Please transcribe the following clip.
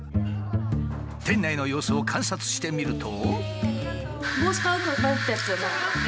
店内の様子を観察してみると。